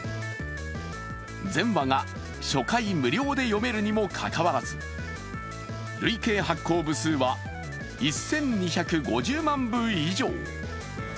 全話が初回無料で読めるにもかかわらず累計発行部数は１２５０万部以上。